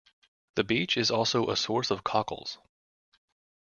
The beach is also a source of cockles.